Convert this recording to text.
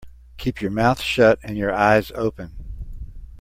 Keep your mouth shut and your eyes open.